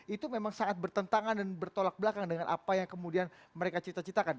itu memang sangat bertentangan dan bertolak belakang dengan apa yang kemudian mereka cita citakan